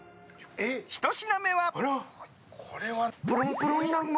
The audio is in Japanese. １品目は。